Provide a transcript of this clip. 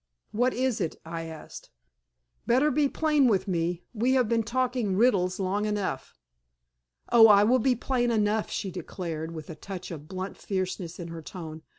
"What is it?" I asked. "Better be plain with me. We have been talking riddles long enough." "Oh, I will be plain enough," she declared, with a touch of blunt fierceness in her tone.